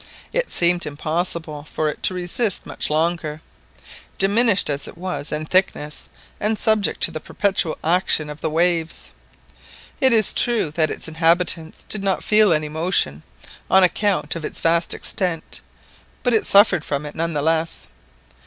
It seemed impossible for it to resist much longer, diminished as it was in thickness and subject to the perpetual action of the waves. It is true that its inhabitants did not feel any motion, on account of its vast extent, but it suffered from it none the less.